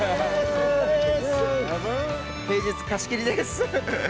平日貸し切りです。